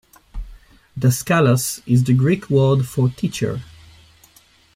Daskalos is the Greek word for teacher.